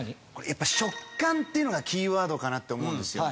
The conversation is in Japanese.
やっぱ食感っていうのがキーワードかなって思うんですよ。